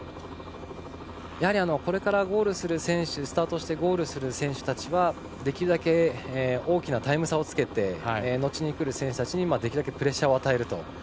やはり、これからスタートしてゴールする選手たちはできるだけ大きなタイム差をつけて後に来る選手たちに、できるだけプレッシャーを与えると。